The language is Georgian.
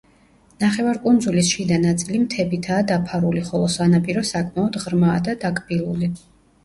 ნახევარკუნძულის შიდა ნაწილი მთებითაა დაფარული, ხოლო სანაპირო საკმაოდ ღრმაა და დაკბილული.